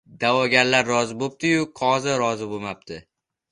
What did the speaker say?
• Da’vogarlar rozi bo‘ptiyu, qozi rozi bo‘lmabdi.